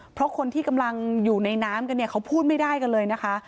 เพราะคนที่กำลังอยู่ในน้ำกันเนี่ยเขาพูดไม่ได้กันเลยนะคะ